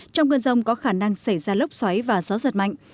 trong cơn rông có khả năng xảy ra lốc xoáy và gió giật mạnh